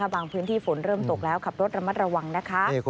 พื้นที่ฝนเริ่มตกแล้วขับรถระมัดระวังนะคะ